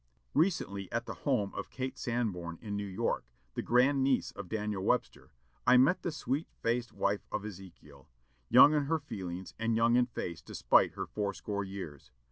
Recently, at the home of Kate Sanborn in New York, the grand niece of Daniel Webster, I met the sweet faced wife of Ezekiel, young in her feelings and young in face despite her four score years.